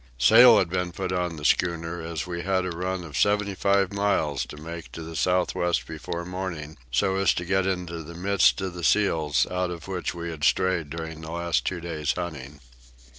Sail had been put on the schooner, as we had a run of seventy five miles to make to the southward before morning, so as to get in the midst of the seals, out of which we had strayed during the last two days' hunting.